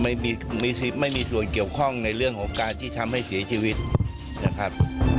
ไม่มีไม่มีส่วนเกี่ยวข้องในเรื่องของการที่ทำให้เสียชีวิตนะครับ